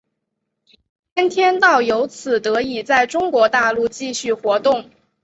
先天道由此得以在中国大陆继续活动。